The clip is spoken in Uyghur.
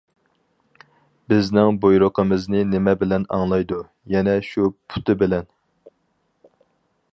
بىزنىڭ بۇيرۇقىمىزنى نېمە بىلەن ئاڭلايدۇ؟ يەنە شۇ پۇتى بىلەن!